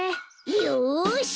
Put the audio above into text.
よし！